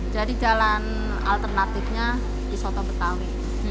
jadi jalan alternatifnya di soto betawi